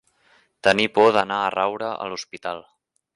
Tenir por d'anar a raure a l'hospital.